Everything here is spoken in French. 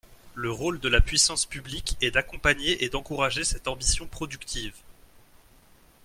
Le rôle de la puissance publique est d’accompagner et d’encourager cette ambition productive.